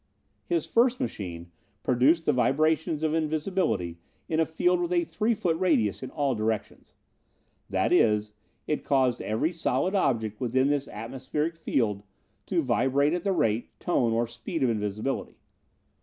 "His first machine produced the vibrations of invisibility in a field with a three foot radius in all directions. That is, it caused every solid object, within this atmospheric field, to vibrate at the rate, tone, or speed of invisibility.